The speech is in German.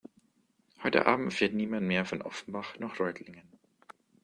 Heute Abend fährt niemand mehr von Offenbach nach Reutlingen